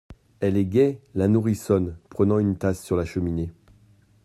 Elle est gaie, la nourrissonne Prenant une tasse sur la cheminée.